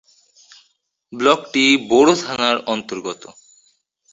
ব্লকটি বোরো থানার অন্তর্গত।